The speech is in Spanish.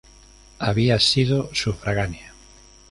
Había sido sufragánea.